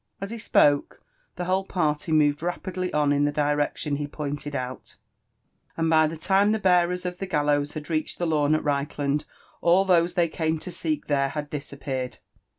As he spoke, the whole parly moved rapidly on in the direction he pointed out ; and by the lime the bearers of the gallows had reached the lawn at Reichland, all those they came to seek there had disappeared.